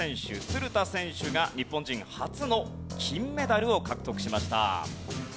鶴田選手が日本人初の金メダルを獲得しました。